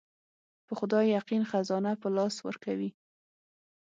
په خدای يقين خزانه په لاس ورکوي.